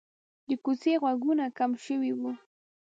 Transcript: د کوڅې غږونه کم شوي وو.